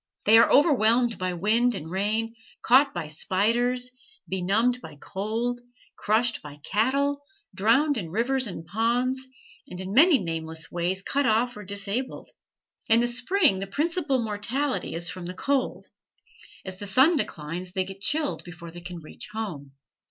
They are overwhelmed by wind and rain, caught by spiders, benumbed by cold, crushed by cattle, drowned in rivers and ponds, and in many nameless ways cut off or disabled. In the spring the principal mortality is from the cold. As the sun declines they get chilled before they can reach home.